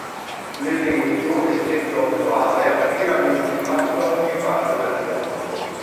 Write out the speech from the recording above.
L'evento essendo annuale attira molti fan da ogni parte del mondo.